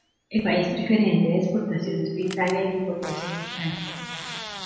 El país preferente de exportaciones fue Italia y de importaciones, Francia.